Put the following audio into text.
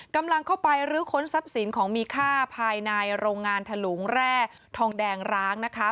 กำลังเข้าไปรื้อค้นทรัพย์สินของมีค่าภายในโรงงานถลุงแร่ทองแดงร้างนะคะ